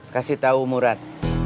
kasih tau murad